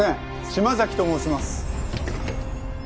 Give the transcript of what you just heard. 島崎と申します。